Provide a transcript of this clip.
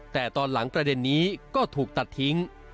แต่ตอนหลังประเด็นนี้ก็ถูกตัดทิ้ง